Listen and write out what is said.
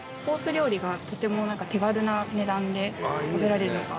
料理が、とても手軽な値段で食べられるのが。